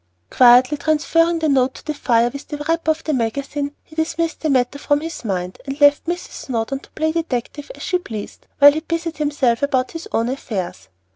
_ Quietly transferring the note to the fire with the wrapper of the magazine, he dismissed the matter from his mind and left Mrs. Snowdon to play detective as she pleased, while he busied himself about his own affairs.